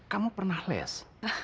kamu pernah les